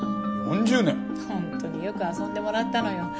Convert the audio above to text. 本当によく遊んでもらったのよ。